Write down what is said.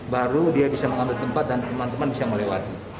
baru dia bisa mengambil tempat dan teman teman bisa melewati